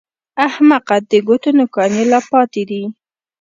احمقه! د ګوتو نوکان يې لا پاتې دي!